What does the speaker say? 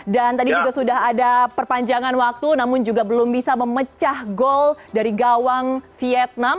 dan tadi juga sudah ada perpanjangan waktu namun juga belum bisa memecah gol dari gawang vietnam